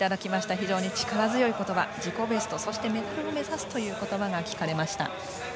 非常に力強い言葉、自己ベストメダルを目指すという言葉が聞かれました。